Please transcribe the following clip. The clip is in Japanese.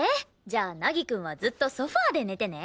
じゃあ凪くんはずっとソファで寝てね。